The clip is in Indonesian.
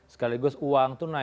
sekaligus uang tunai